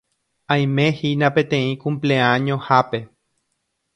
Aimehína peteĩ cumpleaños-hápe